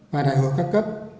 và đại hội các cấp